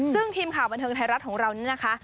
ซึ่งทีมข่าวบันเทิงไทยรัฐของเรานี่นะคะ